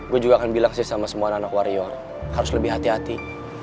gue juga akan bilang sih sama semua anak anak warrior harus lebih hati hati